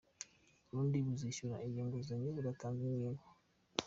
U Burundi buzishyura iyo nguzanyo budatanze inyungu.